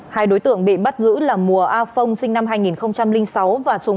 hai đối tượng bị bắt giữ là mùa a phong sinh năm hai nghìn sáu và sùng